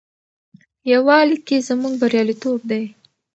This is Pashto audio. یووالي کې زموږ بریالیتوب دی.